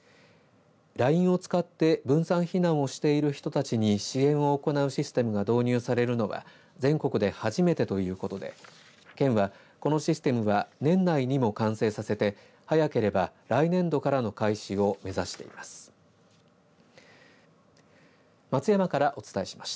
ＬＩＮＥを使って分散避難をしている人たちに支援を行うシステムが導入されるのは全国で初めてということで県は、このシステムは年内にも完成させて早ければ来年度からの開始を目指しています。